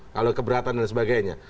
kalau keberatan dan sebagainya